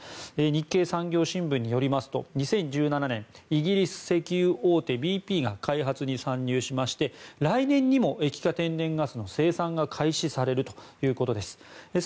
日経産業新聞によりますと２０１７年イギリス石油大手ＢＰが開発に参入しまして来年にも液化天然ガスの生産が開始されるということです。